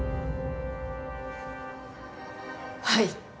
はい。